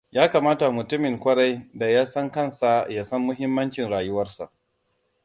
Ya kamata mutumin ƙwarai da ya san kansa ya san muhimmancin rayuwarsa.